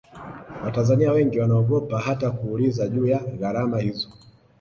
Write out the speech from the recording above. watanzania wengi wanaogopa hata kuuliza juu ya gharama hizo